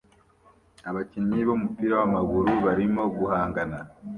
Abakinnyi b'umupira w'amaguru barimo guhangana